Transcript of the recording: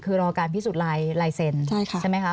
คือรอการพิสูจน์ลายเซ็นต์ใช่ไหมคะ